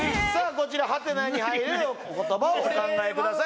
こちら「？」に入る言葉をお考えください